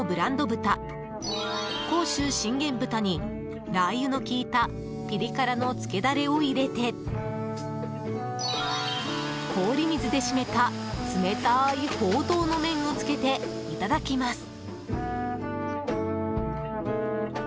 豚にラー油の利いたピリ辛のつけダレを入れて氷水で締めた冷たいほうとうの麺をつけていただきます。